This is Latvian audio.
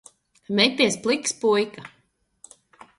Meties pliks, puika.